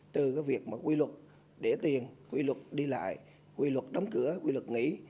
từ việc quy luật để tiền quy luật đi lại quy luật đóng cửa quy luật nghỉ